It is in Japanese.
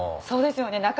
そうですよね。